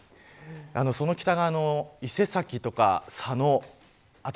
その北側の伊勢崎とか佐野あと